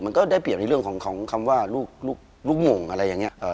ก็ได้เปรียบในเรื่องของคำว่าลูกโมงอะไรอย่างนี้